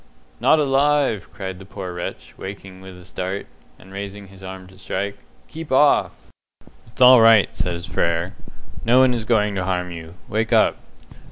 "Not alive!" cried the poor wretch, waking with a start, and raising his arm to strike. "Keep off!" "It's all right," said Frere. "No one is going to harm you. Wake up."